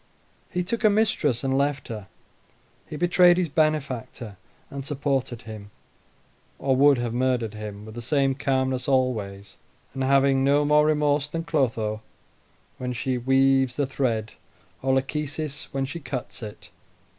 He took a mistress, and left her; he betrayed his benefactor, and supported him, or would have murdered him, with the same calmness always, and having no more remorse than Clotho when she weaves the thread, or Lachesis when she cuts it.